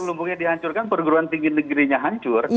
lumbungnya dihancurkan perguruan tinggi negerinya hancur